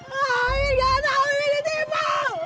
miming gak tau miming ditipu